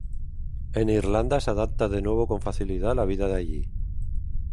En Irlanda se adapta de nuevo con facilidad a la vida de allí.